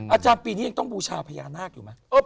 อาจารย์ปีนี้ยังต้องบูชาพญานาคอยู่ไหม